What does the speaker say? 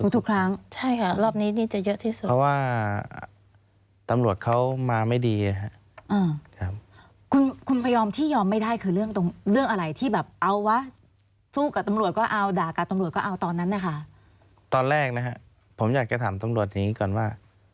ตอนแรกนะฮะผมอยากจะถามตมรวจเนี่ยก่อนว่า